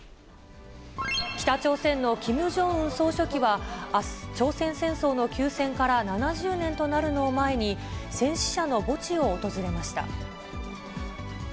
北朝鮮のキム・ジョンウン総書記は、あす、朝鮮戦争の休戦から７０年となるのを前に、戦死者の墓地を訪れました。